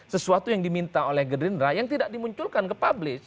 sesuatu yang diminta oleh gerindra yang tidak dimunculkan kepublish